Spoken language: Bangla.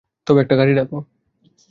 তবে একটা গাড়ি ডাকো।